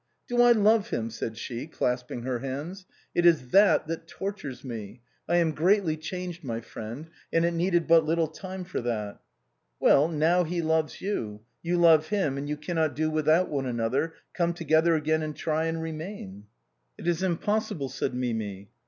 Do I love him ?" said she, clasping her hands. " It is that that tortures me. I am greatly changed, my friend, and it needed but little time for that." " Well, now he loves you, you love him and you cannot do without one another, come together again and try and remain." " It is impossible," said Mimi.